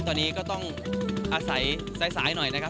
ตอนนี้ก็ต้องอาศัยสายหน่อยนะครับ